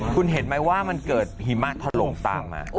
คุณเห็นไหมว่ามันเกิดหิมะถล่มตามมา